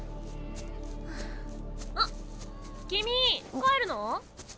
あっ君帰るの？